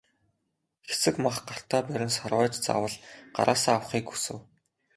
Хэсэг мах гартаа барин сарвайж заавал гараасаа авахыг хүсэв.